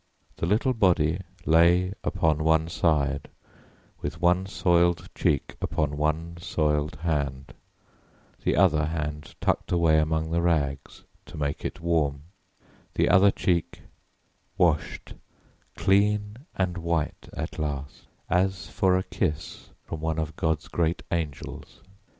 The little body lay upon one side, with one soiled cheek upon one soiled hand, the other hand tucked away among the rags to make it warm, the other cheek washed clean and white at last, as for a kiss from one of God's great angels.